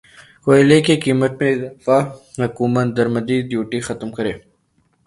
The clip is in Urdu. کوئلے کی قیمت میں اضافہ حکومت درمدی ڈیوٹی ختم کرے